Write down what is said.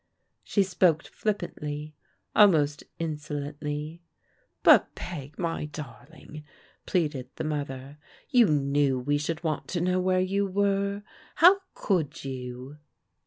She spoke flippantly, almost insolently. "But, Peg, my darling," pleaded the mother, "you knew we should want to know where you were. How could you